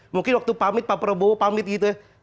mungkin waktu pamit pak prabowo pamit gitu ya